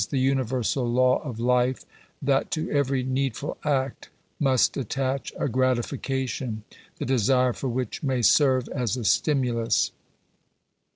411 the universal law of life that to every needful act must attach a gratification, the desire for which may serve as a stimulus (p.